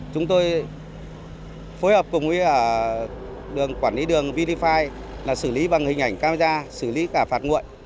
chúng tôi phối hợp cùng với đường quản lý đường vdfi là xử lý bằng hình ảnh camera xử lý cả phạt nguội